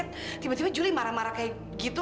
tiba tiba juli marah marah kayak gitu